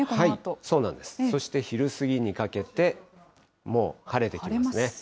そして昼過ぎにかけて、もう晴れてきますね。